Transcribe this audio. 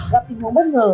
gặp tình huống bất ngờ